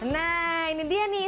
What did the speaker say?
nah ini dia nih